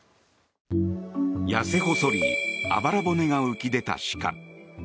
痩せ細りあばら骨が浮き出た鹿。